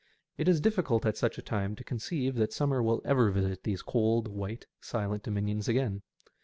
It is difficult at such a time to conceive that summer will ever visit these cold, white, silent dominions again.